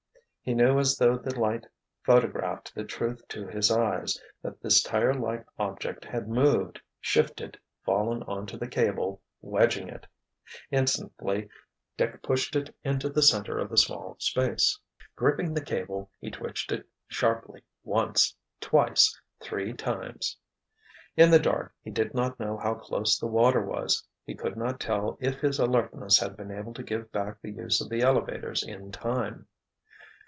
He knew as though the light photographed the truth to his eyes, that this tire like object had moved, shifted, fallen onto the cable, wedging it. Instantly Dick pushed it into the center of the small space. Gripping the cable, he twitched it sharply once—twice—three times! In the dark, he did not know how close the water was. He could not tell if his alertness had been able to give back the use of the elevators in time.